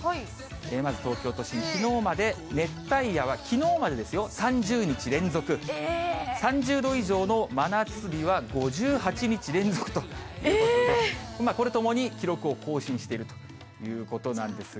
まず東京都心、きのうまで熱帯夜はきのうまでですよ、３０日連続、３０度以上の真夏日は５８日連続ということで、これ、ともに記録を更新しているということなんですが。